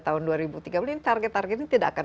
tahun dua ribu tiga puluh ini target target ini tidak akan